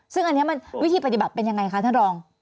ซึ่งอันนี้มันวิธีปฏิบัติเป็นยังไงคะท่านรอง